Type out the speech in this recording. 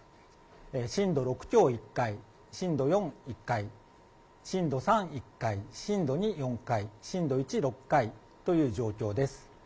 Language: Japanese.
震度６強１回、震度４、１回、震度３、１回、震度２、４回、震度１、６回という状況です。